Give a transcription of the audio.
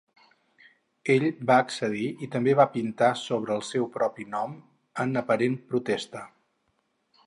Ell va accedir i també va pintar sobre el seu propi nom en aparent protesta.